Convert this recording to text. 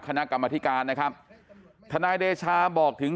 คณะกรรมธิการนะครับทนายเดชาบอกถึง